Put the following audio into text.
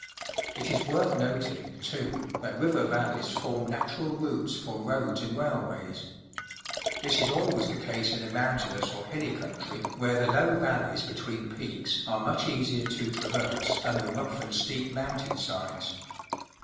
It is worth noting, too, that river vallej's form natural routes for roads and railways. This is always the case in a mountainous or hilly countrv, where the low vallevs between 30 PUBLIC SCHOOL GEOGRAPHY peaks are much easier to traverse than the rough and steep mountain sides.